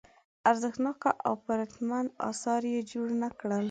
ارزښتناک او پرتمین اثار یې جوړ نه کړل.